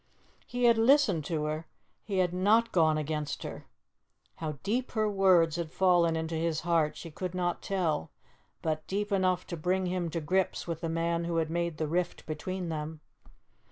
He had listened to her he had not gone against her. How deep her words had fallen into his heart she could not tell, but deep enough to bring him to grips with the man who had made the rift between them.